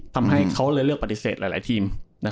ทำให้เขาเลยเลือกปฏิเสธหลายทีม